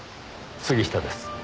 杉下です。